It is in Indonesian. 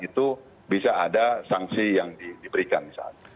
itu bisa ada sanksi yang diberikan misalnya